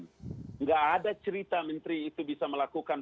tidak ada cerita menteri itu bisa melakukan